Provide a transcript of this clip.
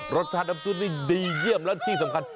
รสชาติน้ำซุปนี่ดีเยี่ยมแล้วที่สำคัญ